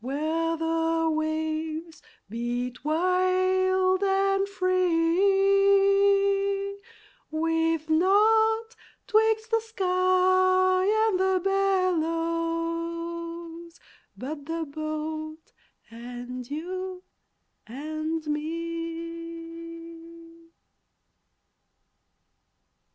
where the waves beat wild and free, With naught 'twixt the sky and the billows but the boat, and you and me!